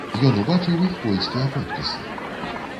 Ён убачыў іх польскія подпісы.